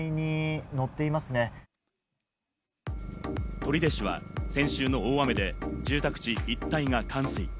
取手市は先週の大雨で住宅地一帯が冠水。